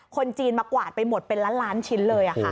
คนจีนมากวาดไปหมดเป็นล้านล้านชิ้นเลย